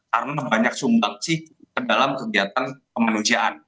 karena banyak sumbang sih ke dalam kegiatan kemanusiaan